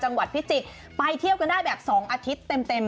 จังหวัดพิจิตรไปเที่ยวกันได้แบบสองอาทิตย์เต็ม